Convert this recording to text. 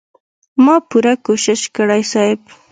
ما پوره کوشش کړی صيب.